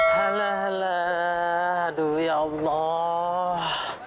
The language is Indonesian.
halal aduh ya allah